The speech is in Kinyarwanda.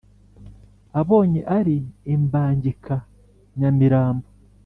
abonye ari imbangikanyamirambo,